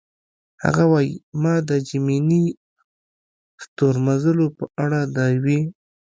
هغه وايي: "ما د جیمیني ستورمزلو په اړه د یوې.